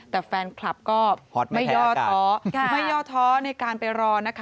แต่แฟนคลับก็ไม่ย่อท้อไม่ย่อท้อในการไปรอนะคะ